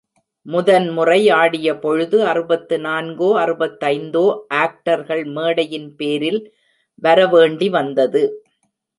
முதன்முறை ஆடியபொழுது அறுபத்து நான்கோ அறுபத்தைந்தோ ஆக்டர்கள் மேடையின் பேரில் வரவேண்டி வந்தது.